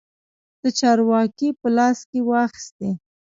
د چارو واګې په لاس کې واخیستې.